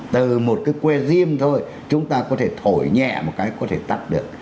từ một cái quê riêng thôi chúng ta có thể thổi nhẹ một cái có thể tắt được